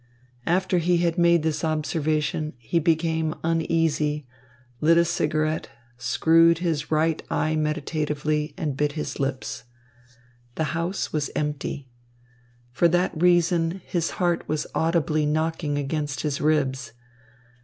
After he had made this observation, he became uneasy, lit a cigarette, screwed his right eye meditatively, and bit his lips. The house was empty. For that reason his heart was audibly knocking against his ribs.